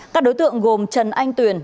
các đối tượng gồm trần anh tuyền